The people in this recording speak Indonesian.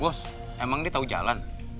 bos emang dia tahu jalan